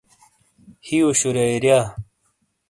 ہِئیو شُرارِیا!